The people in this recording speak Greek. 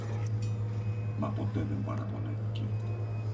Μα ποτέ δεν παραπονέθηκε